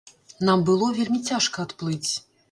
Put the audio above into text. Нам было вельмі цяжка адплыць.